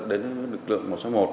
đến lực lượng một trăm sáu mươi một